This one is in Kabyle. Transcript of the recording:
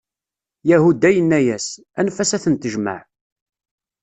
Yahuda yenna-yas: Anef-as ad ten-tejmeɛ!